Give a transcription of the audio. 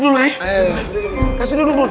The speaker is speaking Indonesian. kasih duduk dulu